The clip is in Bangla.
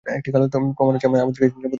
প্রমাণ আমার কাছে নিরাপদেই আছে।